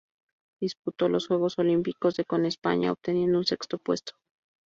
Disputó los Juegos Olímpicos de con España, obteniendo un sexto puesto.